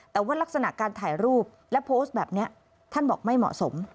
แต่ว่ารักษณะการถ่ายรูปและโพสต์แบบนี้ท่านบอกไม่เหมาะสม